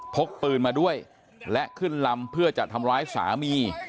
พกปืนมาด้วยและขึ้นลำเพื่อจะทำร้ายสามี